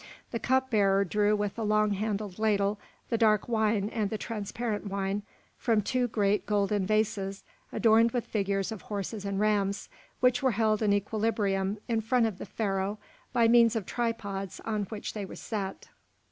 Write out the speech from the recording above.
The cup bearer drew with a long handled ladle the dark wine and the transparent wine from two great, golden vases adorned with figures of horses and rams, which were held in equilibrium in front of the Pharaoh by means of tripods on which they were set.